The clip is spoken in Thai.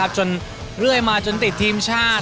จนเรื่อยมาจนติดทีมชาติ